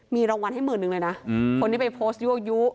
มีรางวัลให้หมื่นหนึ่งเลยนะคนที่ไปโพสต์ยั่วยุ